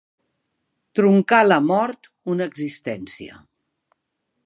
Truncar la mort una existència.